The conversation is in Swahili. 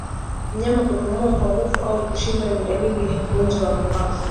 Mnyama kupumua kwa nguvu au kwa shida ni dalili ya ugonjwa wa mapafu